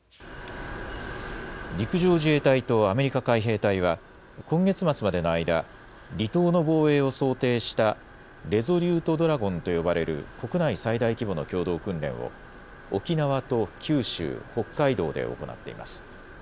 陸上自衛隊とアメリカ海兵隊は今月末までの間、離島の防衛を想定したレゾリュート・ドラゴンと呼ばれる国内最大規模の共同訓練を沖縄と九州、北海道で行っています。